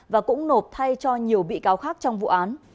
và cũng nộp thay cho nhiều bị cáo khác trong vụ án